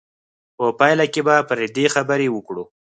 په پایله کې به پر دې خبرې وکړو.